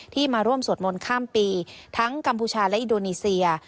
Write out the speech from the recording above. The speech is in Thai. มาร่วมสวดมนต์ข้ามปีทั้งกัมพูชาและอินโดนีเซีย